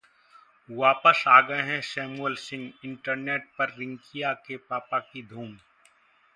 वापस आ गए हैं सैमुअल सिंह, इंटरनेट पर रिंकिया के पापा की धूम